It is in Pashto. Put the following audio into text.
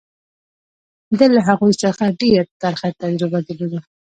ده له هغوی څخه ډېره ترخه تجربه درلوده.